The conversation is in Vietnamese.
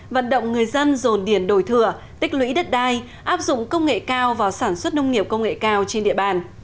vận động người dân dồn điền đổi thừa tích lũy đất đai áp dụng công nghệ cao vào sản xuất nông nghiệp công nghệ cao trên địa bàn